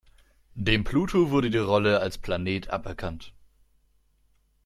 Dem Pluto wurde die Rolle als Planet aberkannt.